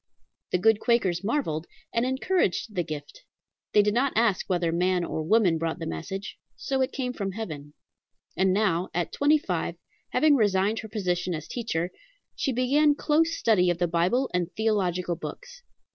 The good Quakers marvelled, and encouraged the "gift." They did not ask whether man or woman brought the message, so it came from heaven. And now, at twenty five, having resigned her position as teacher, she began close study of the Bible and theological books.